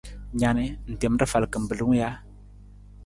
Na ni, ng tem rafal kimbilung ja?